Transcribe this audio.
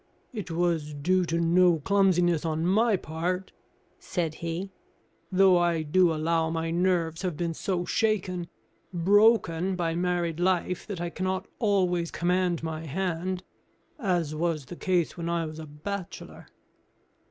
"It was due to no clumsiness on my part," said he; "though I do allow my nerves have been so shaken, broken, by married life, that I cannot always command my hand, as was the case when I was a bachelor.